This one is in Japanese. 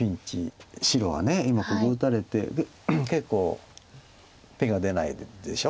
白が今ここ打たれてで結構手が出ないでしょ。